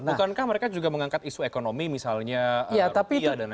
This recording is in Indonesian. bukankah mereka juga mengangkat isu ekonomi misalnya rupiah dan lain lain